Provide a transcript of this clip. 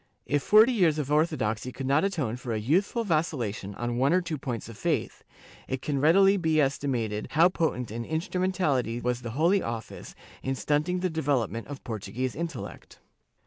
* If forty years of orthodoxy could not atone for a youth ful vacillation on one or two points of faith, it can readily be estimated how potent an instrumentality was the Holy Office in stunting the development of Portuguese intellect.